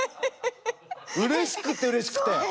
うれしくてうれしくて。